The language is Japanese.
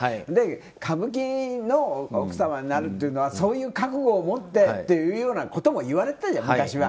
歌舞伎の奥様になるというのはそういう覚悟を持ってというようなことも言われてたじゃん昔は。